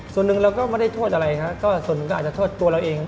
ส่วนหนึ่งเราก็ไม่ได้โทษอะไรครับก็ส่วนหนึ่งก็อาจจะโทษตัวเราเอง